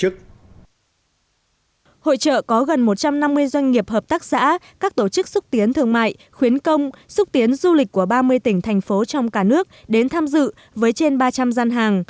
hội trợ có gần một trăm năm mươi doanh nghiệp hợp tác xã các tổ chức xúc tiến thương mại khuyến công xúc tiến du lịch của ba mươi tỉnh thành phố trong cả nước đến tham dự với trên ba trăm linh gian hàng